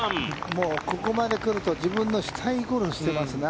もうここまで来ると、自分のしたいゴルフをしてますね。